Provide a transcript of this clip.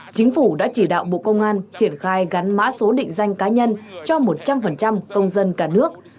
chính phủ đã chỉ đạo bộ công an triển khai gắn mã số định danh cá nhân cho một trăm linh công dân cả nước